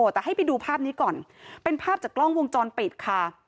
แต่ให้ไปดูภาพนี้ก่อนเป็นภาพจากกล้องวงจรปิดค่ะ